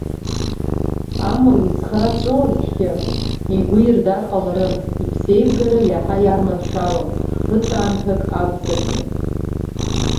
Амала изхара дҵәуазҭгьы, игәы ирдар ҟаларын, иԥсеивгара иаҳа иарманшәалон, ԥыҭраамҭак акәзаргьы.